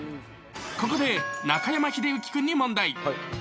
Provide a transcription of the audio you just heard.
ここで中山秀征君に問題。